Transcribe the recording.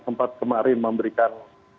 sempat kemarin memberikan